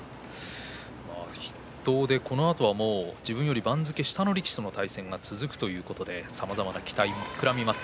筆頭で、このあとは自分より番付下の力士との対戦が続くということでさまざまな期待が膨らみます。